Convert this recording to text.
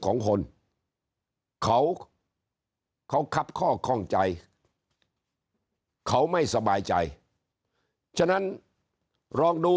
ของคนเขาเขาคับข้อข้องใจเขาไม่สบายใจฉะนั้นลองดู